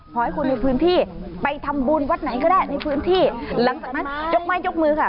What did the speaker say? ขอให้คนในพื้นที่ไปทำบุญวัดไหนก็ได้ในพื้นที่หลังจากนั้นยกไม้ยกมือค่ะ